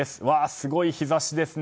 すごい日差しですね。